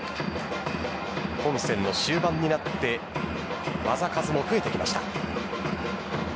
本戦の終盤になって技数も増えてきました。